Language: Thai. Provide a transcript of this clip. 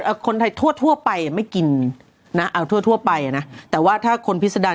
คนไทยทั่วทั่วไปอ่ะไม่กินนะเอาทั่วทั่วทั่วไปอ่ะนะแต่ว่าถ้าคนพิษดาร